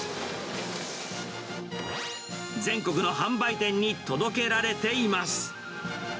全国の販売店に届けられています。